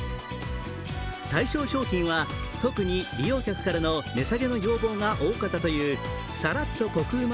対象商品は、特に利用客からの値下げの要望が多かったというサラッとコクうま